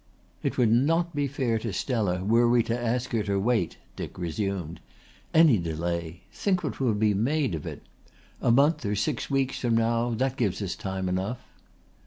"It would not be fair to Stella were we to ask her to wait," Dick resumed. "Any delay think what will be made of it! A month or six weeks from now, that gives us time enough."